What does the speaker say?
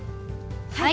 はい。